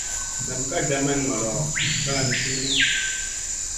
Nam ka daman ŋolo kalang zinimu.